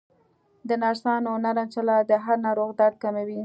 د نرسانو نرم چلند د هر ناروغ درد کموي.